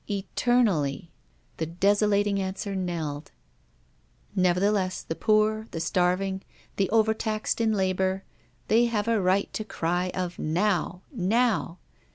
Eternally! the desolating answer knelled. Nevertheless the poor, the starving, the overtaxed in labour, they have a right to the cry of Now! now!